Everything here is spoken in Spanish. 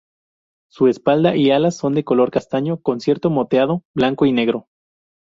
Su espalda y alas son de color castaño con cierto moteado blanco y negro.